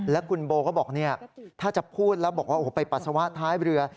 แล้วคุณโบก็บอกถ้าจะพูดแล้วบอกว่าโอ้โหไปปัสสาวะท้ายเรือ